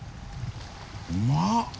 うまっ！